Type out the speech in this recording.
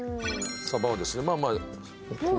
サバをですねまあまあこう。